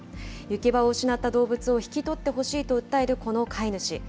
行き場を失った動物を引き取ってほしいと訴えるこの飼い主。